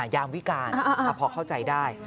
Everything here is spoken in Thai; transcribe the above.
ยามวิการพอเข้าใจได้